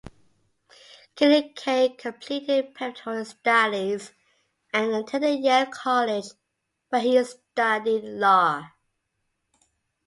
Killian K. completed preparatory studies and attended Yale College, where he studied law.